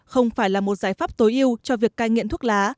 không phải là một giải pháp tối ưu cho việc cai nghiện thuốc lá